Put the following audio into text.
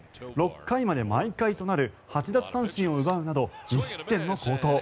６回まで毎回となる８奪三振を奪うなど２失点の好投。